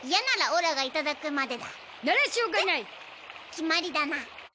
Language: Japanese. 決まりだな。